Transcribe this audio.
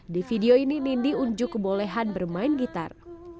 di video ini nindi unjuk kebolehan bermain gitar